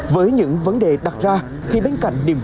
với những vấn đề đặt ra khi bên cạnh điểm vui